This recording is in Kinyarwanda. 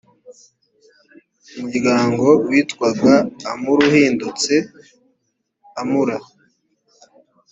umryango witwaga amur uhindutse amr